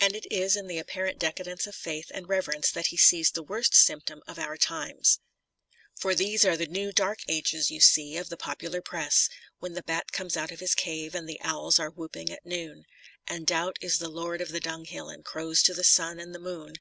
And it is in the apparent decadence of faith and reverence that he sees the worst symptom of our times. For these are the new dark ages, you see, of the popular press. When the bat comes out of his cave, and the owls are whooping at noon, And Doubt is the lord of the dunghill and crows to the sun and the moon.